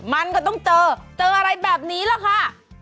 มันก็ต้องเจอเจออะไรแบบนี้แหละค่ะ